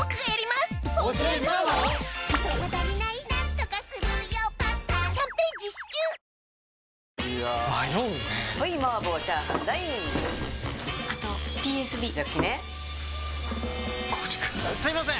すいません！